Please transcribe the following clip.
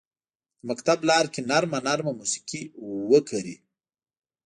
د مکتب لارکې نرمه، نرمه موسیقي وکري